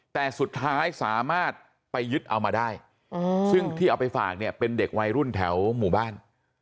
แต่สุดท้ายสามารถไปยึดเอามาได้ซึ่งที่เอาไปฝากเนี่ยเป็นเด็กวัยรุ่นแถวหมู่บ้าน